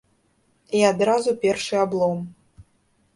І адразу першы аблом.